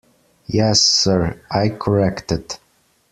Yes, sir, I corrected.